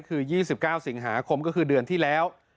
คือ๒๙สิงหาคมก็คือเดือนที่แล้ว